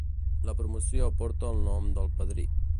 La promoció porta el nom del padrí.